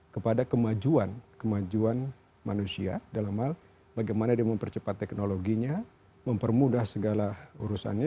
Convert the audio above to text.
kepada kemajuan kemajuan manusia dalam hal bagaimana dia mempercepat teknologinya mempermudah segala urusannya